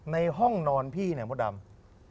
ในห้องนอนพี่เนี่ยมดดำ